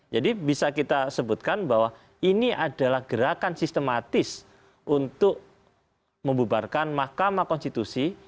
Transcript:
jadi bisa kita sebutkan bahwa ini adalah gerakan sistematis untuk membubarkan mahkamah konstitusi